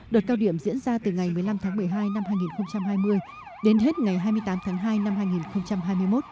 đợt cao điểm diễn ra từ ngày một mươi năm tháng một mươi hai năm hai nghìn hai mươi đến hết ngày hai mươi tám tháng hai năm hai nghìn hai mươi một